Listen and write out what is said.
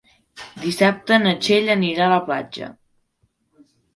Dissabte na Txell anirà a la platja.